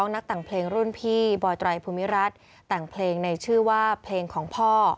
ในชื่อว่าเพลงของพ่อ